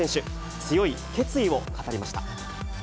強い決意を語りました。